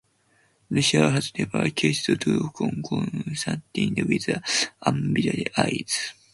Russia has never ceased to look on Constantinople with ambitious eyes.